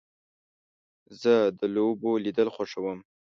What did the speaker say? زه د لوبو لیدل خوښوم.